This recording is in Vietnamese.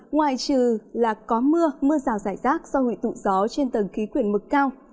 ngoài trừ là có mưa mưa rào rải rác do hủy tụ gió trên tầng khí quyển mực cao